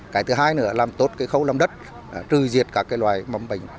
cái thứ hai nữa là làm tốt khâu lâm đất trừ diệt các loài mắm bình